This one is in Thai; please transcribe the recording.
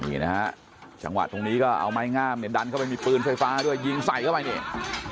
นี่นะฮะจังหวะตรงนี้ก็เอาไม้งามเนี่ยดันเข้าไปมีปืนไฟฟ้าด้วยยิงใส่เข้าไปนี่